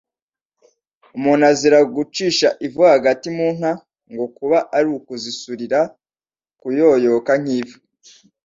Umuntu azira gucisha ivu hagati mu nka, ngo kuba ari ukuzisurira kuyoyoka nk’ivu